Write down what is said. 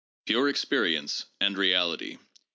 PURE EXPERIENCE AND REALITY.